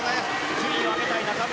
順位を上げたい中村。